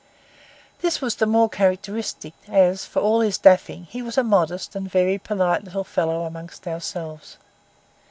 This was the more characteristic, as, for all his daffing, he was a modest and very polite little fellow among ourselves.